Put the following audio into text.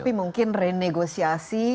tapi mungkin renegosiasi